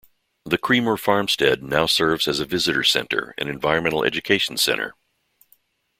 The Creamer farmstead now serves as a visitor center and environmental education center.